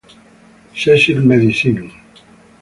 Cecil Medicine.